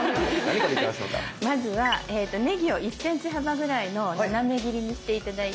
まずはねぎを１ｃｍ幅ぐらいの斜め切りにして頂いて。